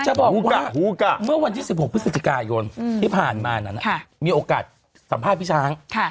บอกว่าเมื่อวันที่๑๖พฤศจิกายนที่ผ่านมานั้นมีโอกาสสัมภาษณ์พี่ช้าง